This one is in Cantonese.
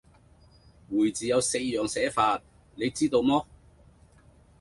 回字有四樣寫法，你知道麼？